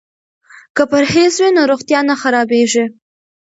که پرهیز وي نو روغتیا نه خرابیږي.